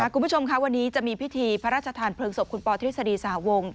คุณผู้ชมค่ะวันนี้จะมีพิธีพระราชทานเพลิงศพคุณปอทฤษฎีสหวง